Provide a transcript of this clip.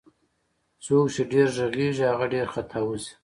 څوک چي ډير ږغږي هغه ډير خطاوزي